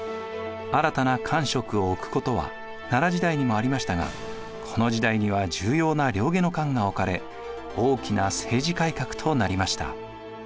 新たな官職を置くことは奈良時代にもありましたがこの時代には重要な令外官が置かれ大きな政治改革となりました。